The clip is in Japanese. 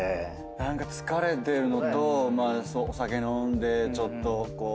何か疲れてるのとお酒飲んでちょっとこう。